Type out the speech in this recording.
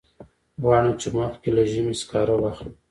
غواړم چې مخکې له ژمي سکاره واخلم.